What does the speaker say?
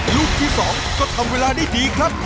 ลูกที่๒ก็ทำเวลาได้ดีครับ